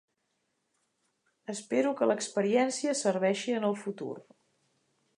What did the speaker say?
Espero que l’experiència serveixi en el futur.